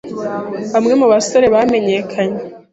bamwe mu basore bamenyekanye